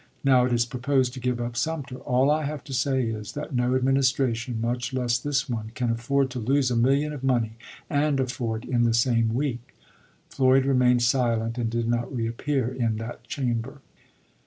Now it is proposed to give up Sumter. All I have to say is, that no administration, much less this one, can afford to lose a million of money and a fort in the same week." Floyd remained silent and did not reappear in that chamber.